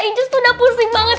ingges tuh udah pusing banget